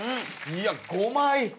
いや５枚？